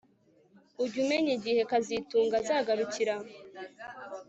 Ujya umenya igihe kazitunga azagarukira